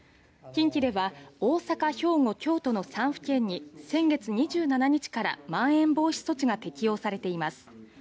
近畿では大阪、兵庫、京都の３府県に先月２７日からまん延防止措置が適用されています。